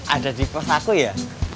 ada di pos aku ya